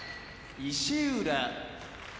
石浦